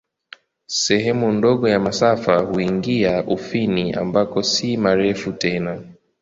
Sehemu ndogo ya masafa huingia Ufini, ambako si marefu tena.